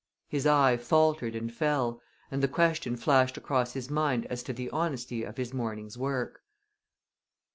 His eye faltered and fell, and the question flashed across his mind as to the honesty of his morning's work.